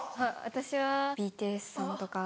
私はＢＴＳさんとか。